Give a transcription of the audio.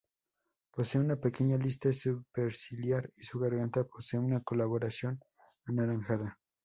Posee una pequeña lista superciliar, y su garganta posee una coloración anaranjada.